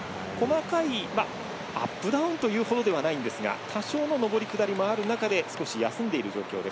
細かいアップダウンというほどではないんですが多少の上り下りもある中で少し休んでいる状況です。